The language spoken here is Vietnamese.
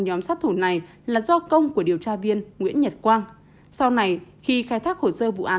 nhóm sát thủ này là do công của điều tra viên nguyễn nhật quang sau này khi khai thác hồ sơ vụ án